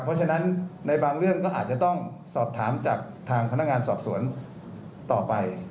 เพราะฉะนั้นในบางเรื่องก็อาจจะต้องสอบถามจากทางพนักงานสอบสวนต่อไป